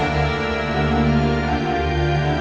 sampai milk you all